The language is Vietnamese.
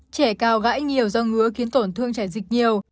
trẻ cao gãi nhiều do ngứa khiến tổn thương chảy dịch nhiều